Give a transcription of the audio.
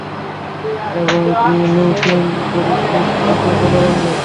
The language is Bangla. এবং নিওপ্রিন বডিস্যুট, দুটো, কালো রঙের।